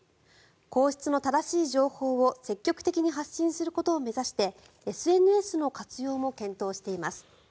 皇室の正しい情報を積極的に発信することを目指してＳＮＳの活用も検討しています。